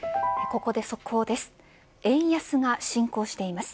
ここで速報です。